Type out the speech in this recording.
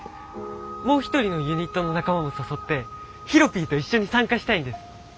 もう一人のユニットの仲間も誘ってヒロピーと一緒に参加したいんです。